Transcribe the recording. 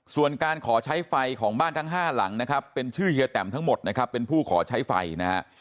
ส่วนการขอใช้ไฟของบ้านทั้งห้าหลังนะครับเป็นชื่อเฮียแตมทั้งหมดนะครับเป็นผู้ขอใช้ไฟนะฮะ